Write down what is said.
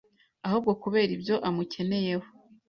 ahubwo kubera ibyo amukeneyeho